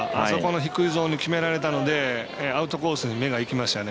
低いところに決められたのでアウトコースに目がいきましたよね。